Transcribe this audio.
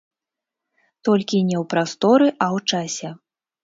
Толькі не ў прасторы, а ў часе.